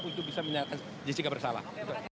untuk bisa menyatakan jessica bersalah